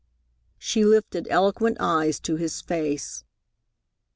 She lifted eloquent eyes to his face.